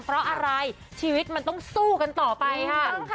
เพราะอะไรชีวิตมันต้องสู้กันต่อไปค่ะ